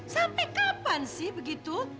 sampai kapan sih begitu